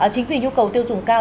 chính vì nhu cầu tiêu dùng cao